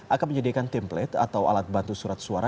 akan menyediakan template atau alat bantu surat suara